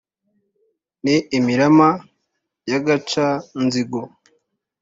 ni imirima ya gaca-nzigo